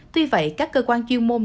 tuy vậy các cơ quan chuyên môn